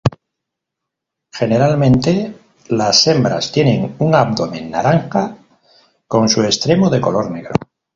Generalmente las hembras tienen un abdomen naranja con su extremo de color negro.